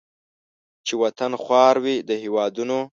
چې وطن خوار وي د هیوادونو